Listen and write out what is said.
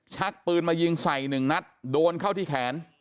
ชักปืนมายิงใส่หนึ่งนัดโดนเข้าที่แขน